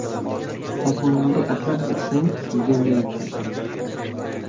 • Osmonga axlat otsang, yuzingga yopishadi.